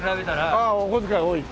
ああお小遣い多い。